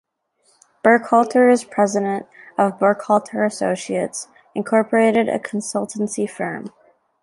Burkhalter is president of Burkhalter Associates, Incorporated a consultancy firm.